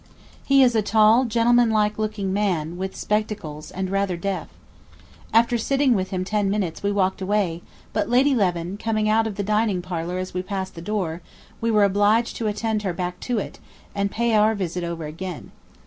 He is a tall gentlemanlike looking man, with spectacles, and rather deaf. After sitting with him ten minutes we walked away; but Lady Leven coming out of the dining parlour as we passed the door, we were obliged to attend her back to it, and pay our visit over again.